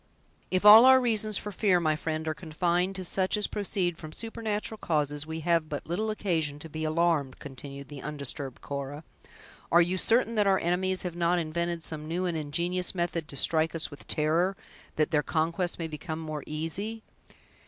"If all our reasons for fear, my friend, are confined to such as proceed from supernatural causes, we have but little occasion to be alarmed," continued the undisturbed Cora, "are you certain that our enemies have not invented some new and ingenious method to strike us with terror, that their conquest may become more easy?"